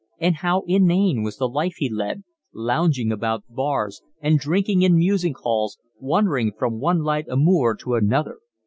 And how inane was the life he led, lounging about bars and drinking in music halls, wandering from one light amour to another!